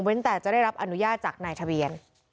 แต่จะได้รับอนุญาตจากนายทะเบียน